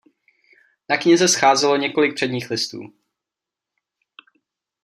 Na knize scházelo několik předních listů.